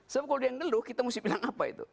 sebab kalau dia yang ngeluh kita mesti bilang apa itu